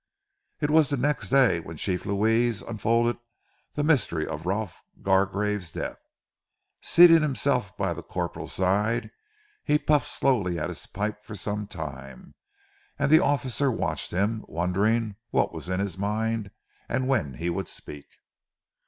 It was the next day when Chief Louis unfolded the mystery of Rolf Gargrave's death. Seating himself by the corporal's side, he puffed slowly at his pipe for some time, and the officer watched him, wondering what was in his mind and when he would speak.